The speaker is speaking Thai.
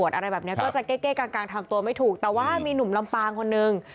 แต่เวลาเจอเราเป่าไม่ถูกจริง